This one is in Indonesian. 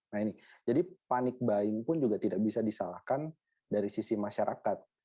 nah ini jadi panic buying pun juga tidak bisa disalahkan dari sisi masyarakat